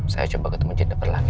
saya coba ketemu jendeper lagi